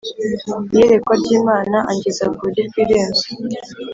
iyerekwa ry Imana angeza ku rugi rw irembo